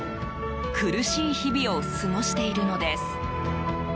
苦しい日々を過ごしているのです。